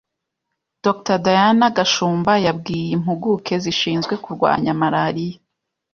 Dr Diane Gashumba yabwiye impuguke zishinzwe kurwanya Malariya